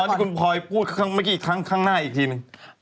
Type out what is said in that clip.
ตอนที่คุณพลอยพูดเมื่อกี้ข้างหน้าอีกทีหนึ่ง